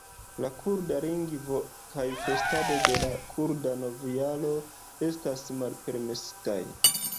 La kurda lingvo kaj festado de la kurda novjaro estas malpermesitaj.